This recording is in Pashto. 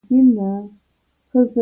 چای د هوښیارو مشروب دی.